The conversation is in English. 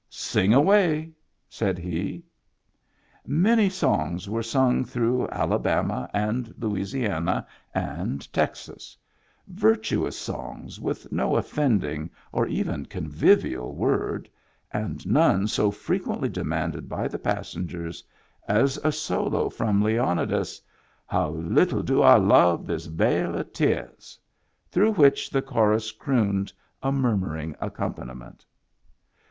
" Sing away," said he. Many songs were sung through Alabama and Louisiana and Texas; virtuous songs with no offending or even convivial word, and none so frequently demanded by the passengers as a solo from Leonidas, How little do I love this vale of tears, through which the chorus crooned a murmuring accompaniment.